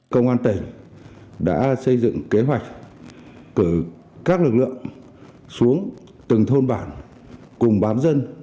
công an tỉnh đã xây dựng kế hoạch cử các lực lượng xuống từng thôn bản cùng bám dân